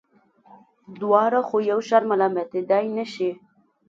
دواړه خو یو شان ملامتېدلای نه شي.